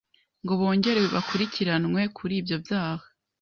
ngo bongere bakurikiranwe kuri ibyo byaha.